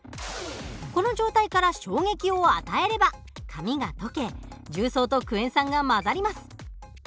この状態から衝撃を与えれば紙が溶け重曹とクエン酸が混ざります。